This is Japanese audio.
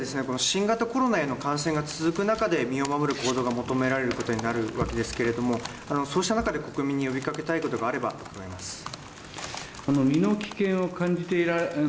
この新型コロナへの感染が続く中で身を守る行動が求められることになるわけですけれどもそうした中で国民に呼びかけたいことがあれば、伺います。